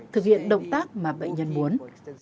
thực hiện động tác mà bệnh nhân muốn